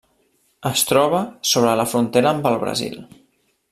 Es troba sobre la frontera amb el Brasil.